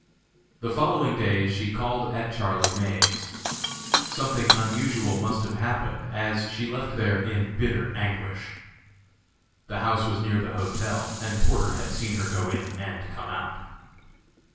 The following day she called at Charlie May's. Something unusual must have happened, as she left there in bitter anguish. The house was near the hotel and Porter had seen her go in and come out.